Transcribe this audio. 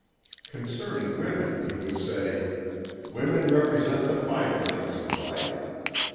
Concerning women he would say: "Women represent the finer things of life.